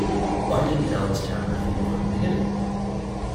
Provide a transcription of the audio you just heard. Why didn't Alice tap her feet from the beginning?